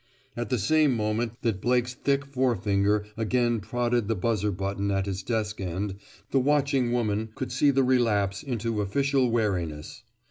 At the same moment that Blake's thick forefinger again prodded the buzzer button at his desk end the watching woman could see the relapse into official wariness.